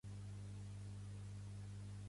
Qui han confirmat un nou pacte?